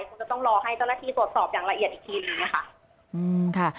คงจะต้องรอให้เจ้าหน้าที่ตรวจสอบอย่างละเอียดอีกทีหนึ่งค่ะ